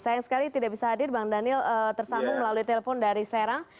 sayang sekali tidak bisa hadir bang daniel tersambung melalui telepon dari serang